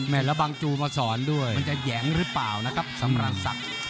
แม่ละบังจูมาสอนด้วยมันจะแหย้งหรือเปล่าสำราญสัตว์